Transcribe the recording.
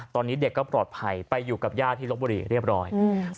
ตอนนี้เด็กก็ปลอดภัยไปอยู่กับย่าที่ลบบุรีเรียบร้อยอืม